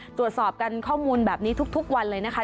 ตรวจสอบกันข้อมูลแบบนี้ทุกวันเลยนะคะ